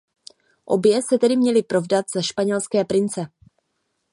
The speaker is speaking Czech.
Obě se tedy měly provdat za španělské prince.